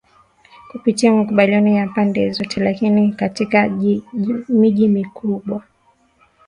kupitia makubaliano ya pande zote Lakini katika miji mikubwa